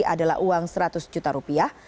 adalah uang seratus juta rupiah